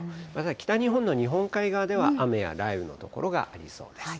北日本の日本海側では雨や雷雨の所がありそうです。